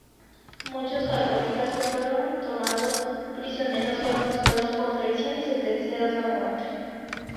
Muchos jacobitas que fueron tomados prisioneros fueron juzgados por traición y sentenciados a muerte.